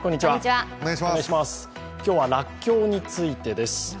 今日はらっきょうについてです。